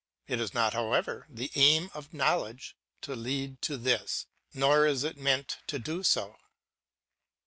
It is not, however, the aim of knowledge to lead to this, nor is it meant to do so.